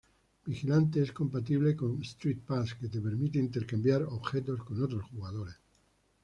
Vigilante es compatible con Street Pass, que te permite intercambiar objetos con otros jugadores.